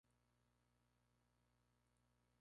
Se mete en moldes para el prensado final.